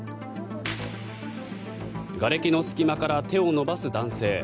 がれきの隙間から手を伸ばす男性。